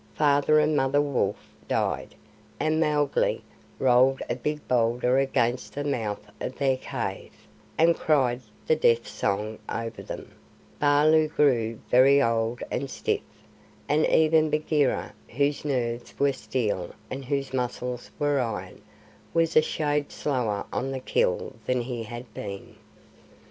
Father and Mother Wolf died, and Mowgli rolled a big boulder against the mouth of their cave, and cried the Death Song over them; Baloo grew very old and stiff, and even Bagheera, whose nerves were steel and whose muscles were iron, was a shade slower on the kill than he had been.